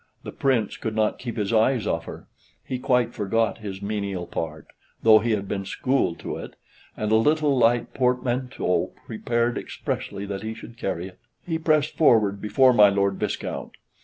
The Prince could not keep his eyes off her; he quite forgot his menial part, though he had been schooled to it, and a little light portmanteau prepared expressly that he should carry it. He pressed forward before my Lord Viscount.